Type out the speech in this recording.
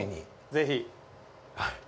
ぜひ。